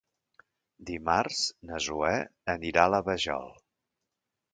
Dimarts na Zoè anirà a la Vajol.